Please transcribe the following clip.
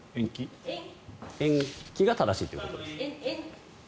延期が正しいということですか？